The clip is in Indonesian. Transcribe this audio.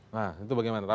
nah itu bagaimana